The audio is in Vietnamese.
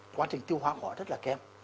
quá trình tiêu hóa của họ rất là kém